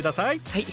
はい。